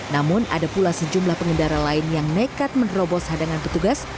namun ada pula sejumlah pengendara lain yang nekat menerobos hadangan petugas